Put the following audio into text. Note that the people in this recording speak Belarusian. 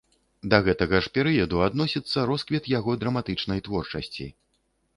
Да гэтага ж перыяду адносіцца росквіт яго драматычнай творчасці.